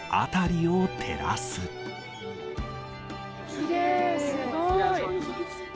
きれい、すごーい。